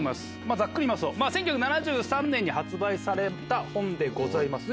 ざっくり言いますと１９７３年に発売された本でございます。